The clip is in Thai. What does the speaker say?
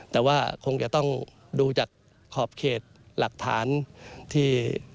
แต่ว่าคงจะต้องดูจากขอบเขตหลักฐานที่